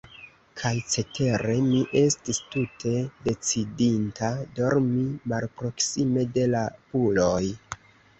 Kaj cetere, mi estis tute decidinta, dormi malproksime de la puloj.